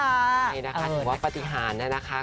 ใช่นะคะถือว่าปฏิหารนะคะ